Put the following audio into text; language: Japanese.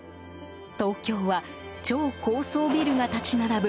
東京は超高層ビルが立ち並ぶ